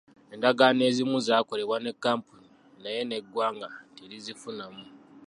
Endagaano ezimu zaakolebwa ne kkampuni naye ng’eggwanga terizifunamu.